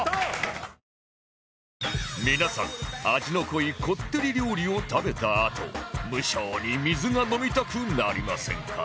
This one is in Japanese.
皆さん味の濃いこってり料理を食べたあと無性に水が飲みたくなりませんか？